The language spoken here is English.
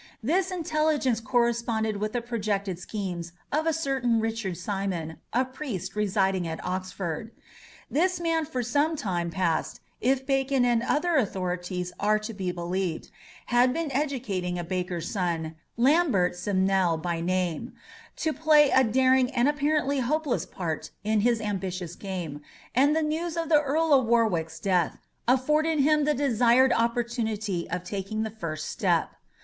This intelligence corresponded with the projected schemes of a certain Richard Simon, a priest residing at Oxford. This man for some time past, if Bacon and other authorities are to be believed, had been educating a baker's son, Lambert Simnel by name, to play a daring and apparently hopeless part in his ambitious game, and the news of the Earl of Warwick's death afforded him the desired opportunity of taking the first step.